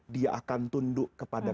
dia akan tunduk kepada